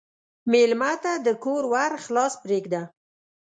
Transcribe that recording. مېلمه ته د کور ور خلاص پرېږده.